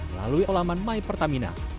melalui anelaman my pertamina